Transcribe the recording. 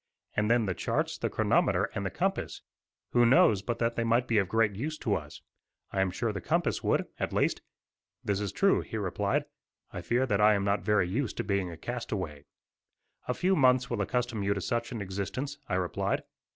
And, then, the charts, the chronometer and the compass. Who knows but that they may be of great use to us? I am sure the compass would, at least." "That is true," he replied; "I fear that I am not very used to being a castaway." "A few months will accustom you to such an existence," I replied.